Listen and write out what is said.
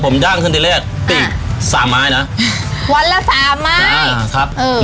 ผมย่างขึ้นที่แรกติสามไม้นะวันละสามไม้อ่าครับเออ